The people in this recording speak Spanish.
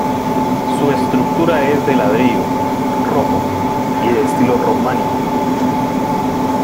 Su estructura es de ladrillo rojo y de estilo románico.